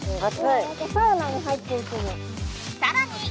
さらに。